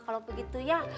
kalau begitu ya